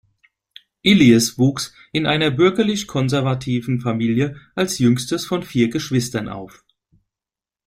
Illies wuchs in einer bürgerlich-konservativen Familie als jüngstes von vier Geschwistern auf.